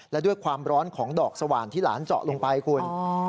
และด้วยความร้อนของดอกสว่านที่หลานเจาะลงไปคุณ